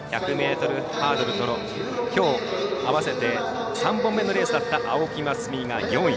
１００ｍハードルと合わせてきょう３本目のレースだった青木益未が４位。